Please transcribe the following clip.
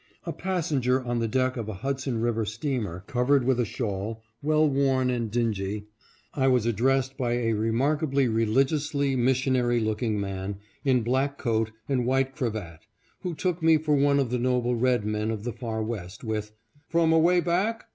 A passenger on the deck of a Hudson river steamer, covered with a shawl, well worn and dingy, I was addressed by a remarkably religiously missionary looking man in black coat and white cravat, who took me for one of the noble red men of the far West, with " From away back